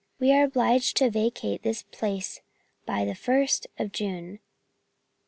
"We are obliged to vacate this place by the first of June.